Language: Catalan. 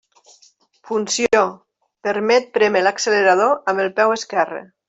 Funció: permet prémer l'accelerador amb el peu esquerre.